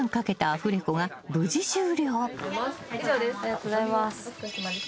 ありがとうございます。